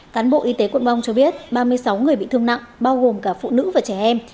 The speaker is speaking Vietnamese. cán bộ y tế quận bong cho biết ba mươi sáu người bị thương nặng bao gồm cả phụ nữ và trẻ em